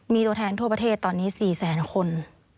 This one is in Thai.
มีตัวแทนทั่วประเทศตอนนี้๔แสนคน